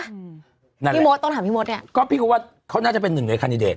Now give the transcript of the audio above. อืมนั่นแหละพี่โมสต้องถามพี่โมสเนี้ยก็พี่ก็ว่าเขาน่าจะเป็นหนึ่งในคันดิเดต